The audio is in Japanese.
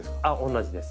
同じです。